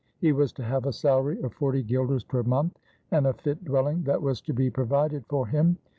He was to have a salary of forty guilders per month and a fit dwelling that was to be provided for him.